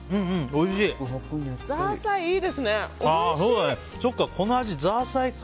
おいしい。